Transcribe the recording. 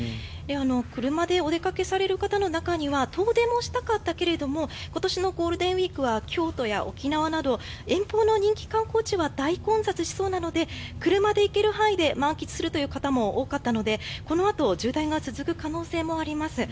車でお出かけされる方の中には遠出もしたかったけども今年のゴールデンウィークは京都や沖縄など遠方の人気観光地は大混雑しそうなので車で行ける範囲で満喫するという方も多かったのでこのあと渋滞が続く可能性もあります。